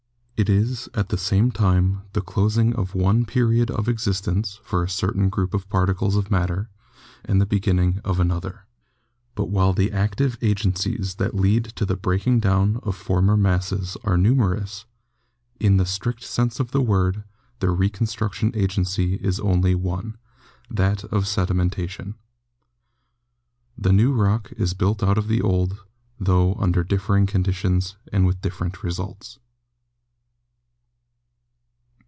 It is at the same time the closing of one period of existence for a certain group of particles of matter and the be ginning of another. But while the active agencies that lead to the breaking down of former masses are numer ous, in the strict sense of the word the reconstruction agency is only one — that of sedimentation. The new rock is built out of the old, tho under differing conditions and with different results.